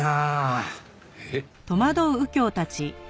えっ？